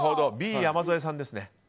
Ｂ、山添さんですね。